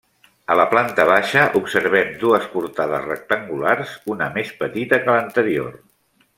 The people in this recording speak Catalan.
A la planta baixa observem dues portades rectangulars, una més petita que l'anterior.